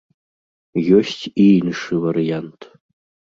Ёсць і іншы варыянт.